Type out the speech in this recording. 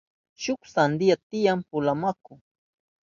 Shuk sandiya tiyan pula maku.